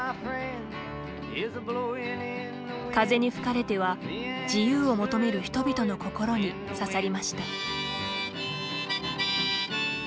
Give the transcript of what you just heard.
「風に吹かれて」は自由を求める人々の心に刺さりました。